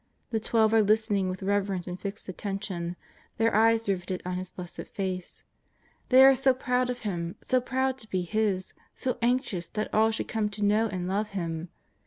The Twelve are listening with reverent and fixed attention, their eves riveted on His blessed face. They are so proud of Him, so proud to be His, so anxious that all should come to know and love Him.